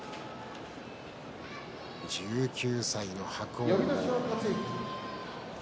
１９歳の伯桜鵬。